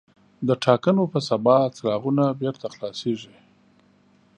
د ټاکنو په سبا څراغونه بېرته خلاصېږي.